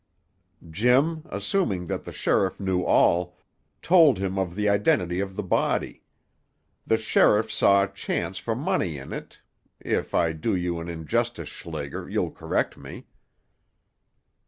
Jim, assuming that the sheriff knew all, told him of the identity of the body. The sheriff saw a chance for money in it—if I do you an injustice, Schlager, you'll correct me."